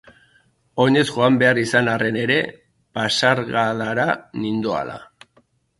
Oinez joan behar izan arren ere, Pasargadara nindoala.